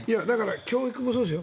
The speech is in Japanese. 教育もそうですよ。